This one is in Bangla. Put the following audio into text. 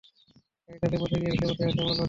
গাড়িটা যে পথে গিয়েছে সে পথেই আছি আমরা, লাড্ডু।